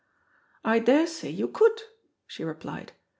"I daresay you could," she replied.